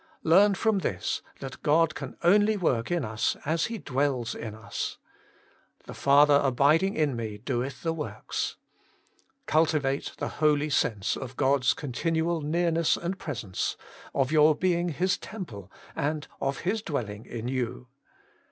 Learn from this that God can only work in us as He dwells in us. ' The Father abiding in Me doeth the works.' Cultivate the holy sense of God's continual nearness and presence, of your being His temple, and of His dwelling in you.